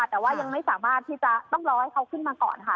แต่ว่ายังไม่สามารถที่จะต้องรอให้เขาขึ้นมาก่อนค่ะ